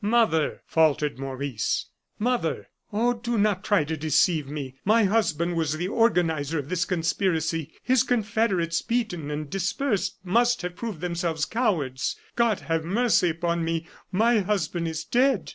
"Mother!" faltered Maurice; "mother!" "Oh! do not try to deceive me. My husband was the organizer of this conspiracy his confederates beaten and dispersed must have proved themselves cowards. God have mercy upon me; my husband is dead!"